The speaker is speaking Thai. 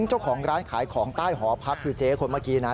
เจ้าของร้านขายของใต้หอพักคือเจ๊คนเมื่อกี้นะ